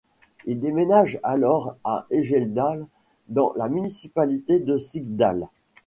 Il déménage alors à Eggedal dans la municipalité de Sigdal.